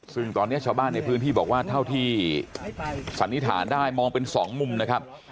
ซึ่งตอนนี้ชาวบ้านในพื้นที่บอกว่าเท่าที่สันนิษฐานได้มองเป็นสองมุมนะครับ